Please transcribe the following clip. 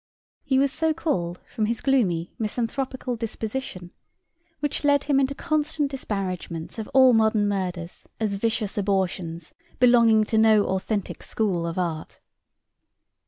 He was so called from his gloomy misanthropical disposition, which led him into constant disparagements of all modern murders as vicious abortions, belonging to no authentic school of art.